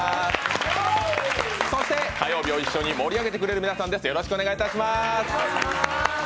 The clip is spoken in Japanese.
そして火曜日を一緒に盛り上げてくれる皆さんです。